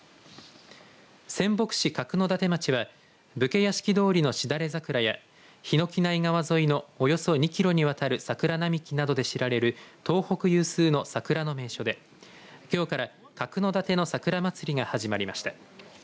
仙北市角館町は武家屋敷通りのしだれ桜や桧内川沿いのおよそ２キロにわたる桜並木などで知られる東北有数の桜の名所できょうから角館の桜まつりが始まりました。